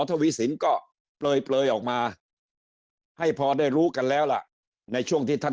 ทวีสินก็เปลยออกมาให้พอได้รู้กันแล้วล่ะในช่วงที่ท่าน